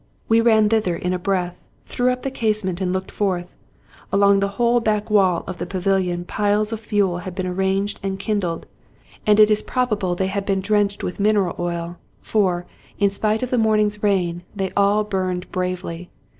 We ran thither in a breath, threw up the casement, and looked forth. Along the whole back wall of the pavilion piles of fuel had been arranged and kindled ; and it is prob 204 Robert Louis Stevenson able they had been drenched with mineral oil, for, in spite of the morning's rain, they all burned bravely.